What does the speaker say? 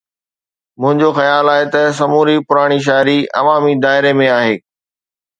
منهنجو خيال آهي ته سموري پراڻي شاعري عوامي دائري ۾ آهي